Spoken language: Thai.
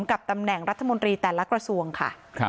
กับตำแหน่งรัฐมนตรีแต่ละกระทรวงค่ะ